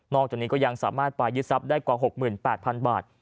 จากนี้ก็ยังสามารถไปยึดทรัพย์ได้กว่า๖๘๐๐๐บาท